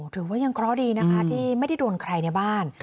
ถือว่ายังเคราะห์ดีนะคะที่ไม่ได้โดนใครในบ้าน